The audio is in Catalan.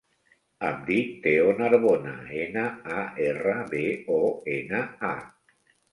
Em dic Teo Narbona: ena, a, erra, be, o, ena, a.